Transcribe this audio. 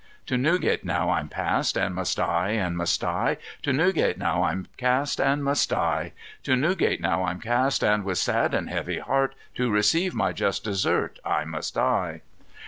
"To Newgate now I'm cast, and must die, and must die, To Newgate now I'm cast, and must die, To Newgate now I'm cast, with sad and heavy heart, To receive my just desert, I must die.